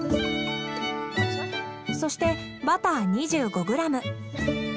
そしてバター２５ｇ。